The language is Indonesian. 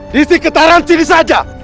di si ketaran sini saja